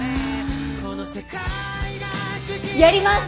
やります！